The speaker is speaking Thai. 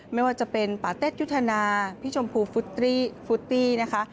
ไม่ว่าจะเป็นปาเต็ดยุทธนาพี่ชมพูฟุตตี้นะคะ